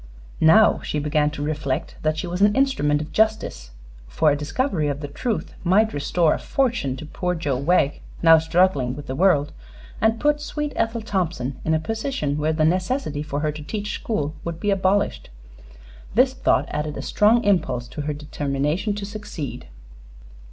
Now she began to reflect that she was an instrument of justice, for a discovery of the truth might restore a fortune to poor Joe Wegg, now struggling with the world, and put sweet Ethel Thompson in a position where the necessity for her to teach school would be abolished. This thought added a strong impulse to her determination to succeed.